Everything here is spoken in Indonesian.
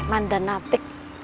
oke mandan api